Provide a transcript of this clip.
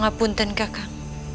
tidak tidak tidak